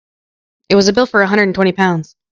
It was a bill for a hundred and twenty pounds.